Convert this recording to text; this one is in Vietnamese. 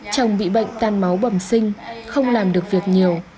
chồng bị bệnh tan máu bẩm sinh không làm được việc nhiều